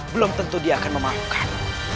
belum tentu dia akan memaafkan